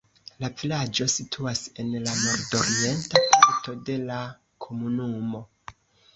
La vilaĝo situas en la nordorienta parto de la komunumo.